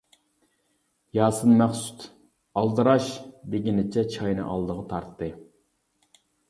ياسىن مەخسۇت ‹ئالدىراش. › دېگىنىچە چاينى ئالدىغا تارتتى.